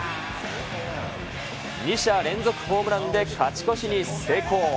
２者連続ホームランで勝ち越しに成功。